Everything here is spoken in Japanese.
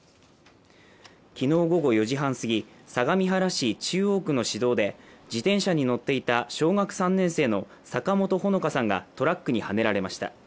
昨日午後４時半すぎ、相模原市中央区の市道で自転車に乗っていた小学３年生の坂本穂香さんがトラックにはねられました。